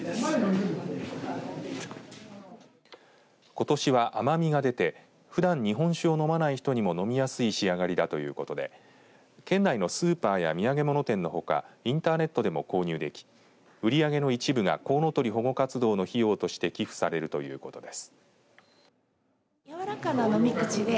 ことしは甘みが出てふだん日本酒を飲まない人にも飲みやすい仕上がりだということで県内のスーパーや土産物店のほかインターネットでも購入でき売り上げの一部がこうのとり保護活動の費用として寄付されるということです。